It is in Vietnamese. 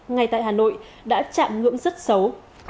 ngay tại hà nội đã chạm ngưỡng rất xấu